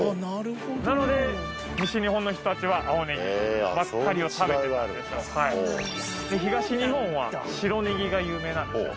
なので西日本の人たちは青ねぎばっかりを食べてたんですよで東日本は白ねぎが有名なんですよ